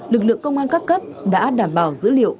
lực lượng công an các cấp đã đảm bảo dữ liệu